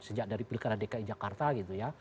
sejak dari pilkada dki jakarta gitu ya